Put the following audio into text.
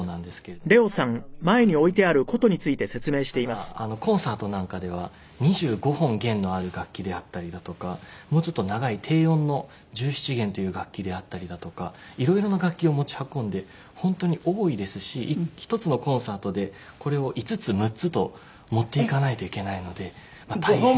ただコンサートなんかでは２５本弦のある楽器であったりだとかもうちょっと長い低音の十七弦っていう楽器であったりだとかいろいろな楽器を持ち運んで本当に多いですし１つのコンサートでこれを５つ６つと持っていかないといけないので大変。